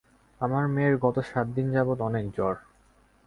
আমার মেয়ের গত সাত দিন যাবত অনেক জ্বর।